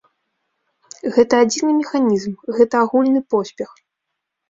Гэта адзіны механізм, гэта агульны поспех.